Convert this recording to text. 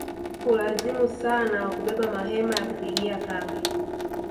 Hulazimu sana wa kubeba mahema ya kupigia kambi